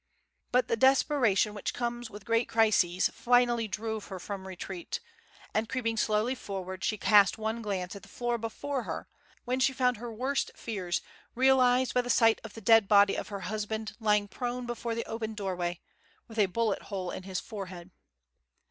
But the desperation which comes with great crises finally drove her from her retreat; and, creeping slowly forward, she cast one glance at the floor before her, when she found her worst fears realized by the sight of the dead body of her husband lying prone before the open doorway, with a bullet hole in his forehead.